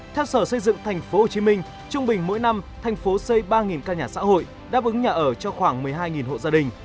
theo sở xây dựng tp hcm trung bình mỗi năm thành phố xây ba căn nhà xã hội đáp ứng nhà ở cho khoảng một mươi hai hộ gia đình